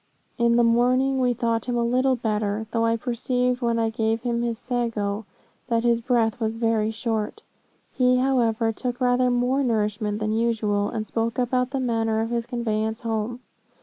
In the morning we thought him a little better, though I perceived, when I gave him his sago, that his breath was very short. He, however, took rather more nourishment than usual, and spoke about the manner of his conveyance home.